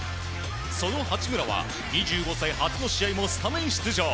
その八村は２５歳初の試合もスタメン出場。